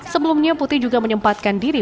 sebelumnya putih juga menyempatkan diri